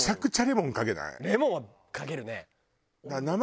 レモンはかけるね。